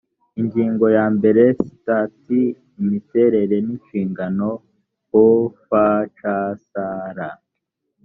ingingo ya mbere sitati imiterere n inshingano of csr